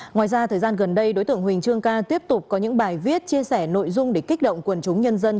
ngoài ra thời gian gần đây đối tượng huỳnh trương ca tiếp tục có những bài viết chia sẻ nội dung để kích động quần chúng nhân dân